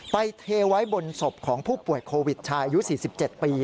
เทไว้บนศพของผู้ป่วยโควิดชายอายุ๔๗ปี